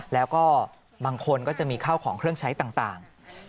แล้วก็บางคนก็จะมีข้าวของเครื่องใช้ต่าง